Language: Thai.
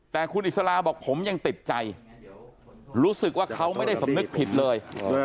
แต่คุณอิสลาบอกผมยังติดใจรู้สึกว่าเขาไม่ได้สำนึกผิดเลย